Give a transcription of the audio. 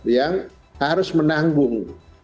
yang harus menanggung